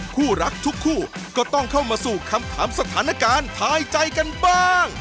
คู่รักทุกคู่ก็ต้องเข้ามาสู่คำถามสถานการณ์ทายใจกันบ้าง